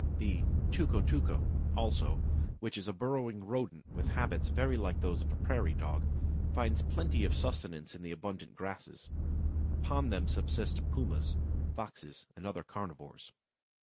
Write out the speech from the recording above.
The "tuco tuco" also, which is a burrowing rodent with habits very like those of the prairie dog, finds plenty of sustenance in the abundant grasses. Upon them subsist pumas, foxes, and other carnivores.